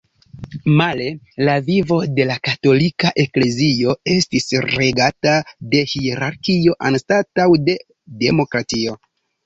Male la vivo de la katolika eklezio estis regata de hierarkio anstataŭ de demokratio.